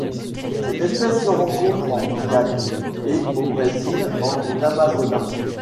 Cette espèce se rencontre en Guyane et au Brésil en Amazonas.